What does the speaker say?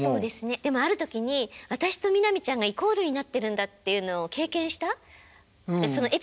でもある時に私と南ちゃんがイコールになってるんだっていうのを経験したエピソードがあって。